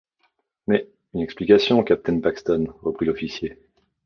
Mais… une explication, capitaine Paxton, reprit l’officier.